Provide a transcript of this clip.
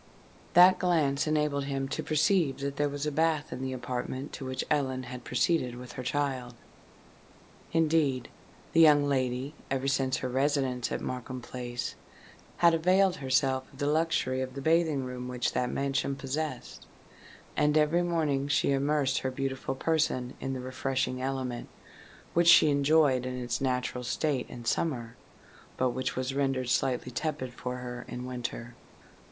That glance enabled him to perceive that there was a bath in the apartment to which Ellen had proceeded with her child. Indeed, the young lady, ever since her residence at Markham Place, had availed herself of the luxury of the bathing room which that mansion possessed: and every morning she immersed her beautiful person in the refreshing element, which she enjoyed in its natural state in summer, but which was rendered slightly tepid for her in winter.